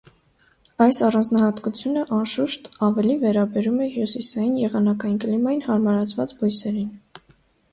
Այս առանձնահատկությունը, անշուշտ, ավելի վերաբերում է հյուսիսային եղանակային կլիմային հարմարված բույսերին։